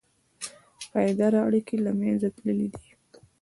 پایداره اړیکې له منځه تللي دي.